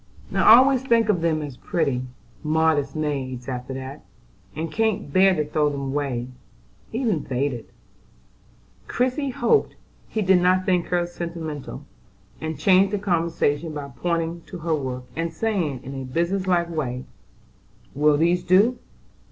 "I always think of them as pretty, modest maids after that, and can't bear to throw them away, even when faded." Christie hoped he did not think her sentimental, and changed the conversation by pointing to her work, and saying, in a business like way: "Will these do?